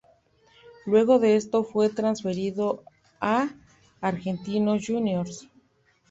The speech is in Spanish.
Luego de esto, fue transferido a Argentinos Juniors.